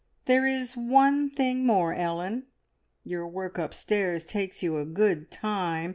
There is one thing more, Ellen. Your work upstairs takes you a good time.